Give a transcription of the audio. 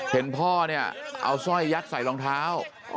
เห็นพ่อเนี่ยเอาสร้อยยัดใส่รองเท้า